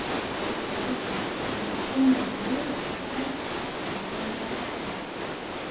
Sky Rink has the only year-round ice skating rinks in Manhattan.